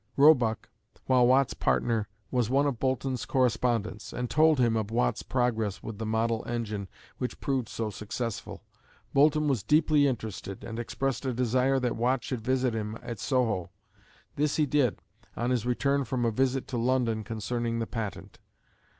Roebuck, while Watt's partner, was one of Boulton's correspondents, and told him of Watt's progress with the model engine which proved so successful. Boulton was deeply interested, and expressed a desire that Watt should visit him at Soho. This he did, on his return from a visit to London concerning the patent.